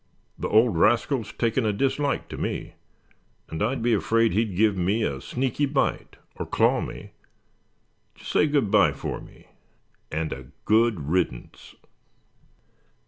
The old rascal's taken a dislike to me, and I'd be afraid he'd give me a sneaky bite, or claw me. Just say good bye for me, and a good riddance."